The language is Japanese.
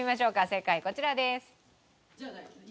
正解こちらです。